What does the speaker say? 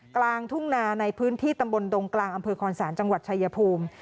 กลางทุ่งนาในพื้นที่ตำบลดงกลางอำเภอคอนศาลจังหวัดชายภูมิ